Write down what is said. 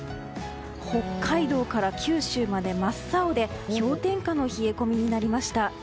北海道から九州まで真っ青で氷点下の冷え込みになりました。